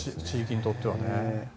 地域にとっては。